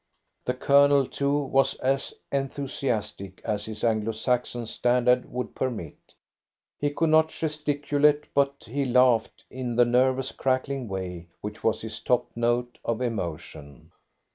The Colonel, too, was as enthusiastic as his Anglo Saxon standard would permit. He could not gesticulate, but he laughed in the nervous crackling way which was his top note of emotion.